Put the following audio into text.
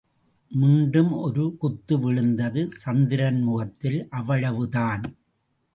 மீண்டும் ஒரு குத்து விழுந்தது சந்திரன் முகத்தில், அவ்வளவுதான்.